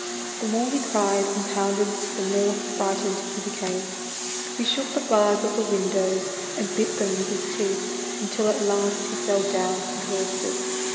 The more he cried and pounded the more frightened he became. He shook the bars of the windows and bit them with his teeth, until at last he fell down exhausted.